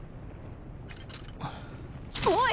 おい！